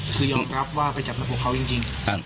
คือยอมรับว่าไปจับหน้าอกเขาจริง